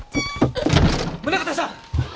宗形さん！